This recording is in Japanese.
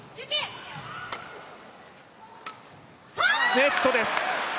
ネットです。